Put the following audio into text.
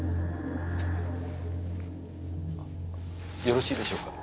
よろしいでしょうか？